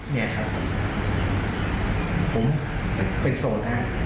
แบบนี้ผมเป็นโสดนะครับ